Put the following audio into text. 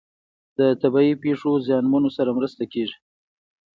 د طبیعي پیښو زیانمنو سره مرسته کیږي.